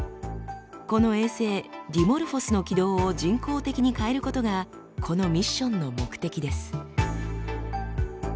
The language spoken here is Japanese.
この衛星ディモルフォスの軌道を人工的に変えることがこのミッションの目的です。